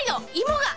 芋が！